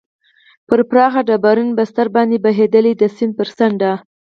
پر پراخ ډبرین بستر باندې بهېدلې، د سیند پر څنډه.